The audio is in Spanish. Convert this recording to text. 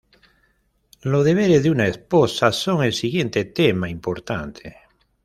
Los deberes de una esposa son el siguiente tema importante.